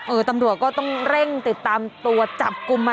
ตำรวจก็ต้องเร่งติดตามตัวจับกลุ่มมา